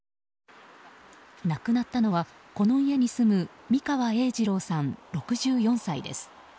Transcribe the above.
亡くなったのはこの家に住む三川栄治朗さん、６４歳です。